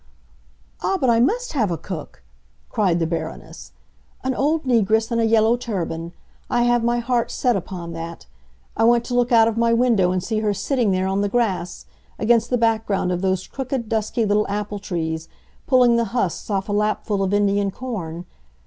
"Ah, but I must have a cook!" cried the Baroness. "An old negress in a yellow turban. I have set my heart upon that. I want to look out of my window and see her sitting there on the grass, against the background of those crooked, dusky little apple trees, pulling the husks off a lapful of Indian corn.